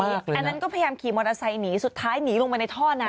อันนั้นก็พยายามขี่มอเตอร์ไซค์หนีสุดท้ายหนีลงไปในท่อน้ำ